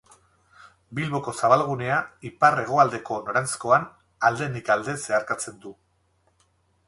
Bilboko zabalgunea ipar-hegoaldeko noranzkoan aldenik-alde zeharkatzen du.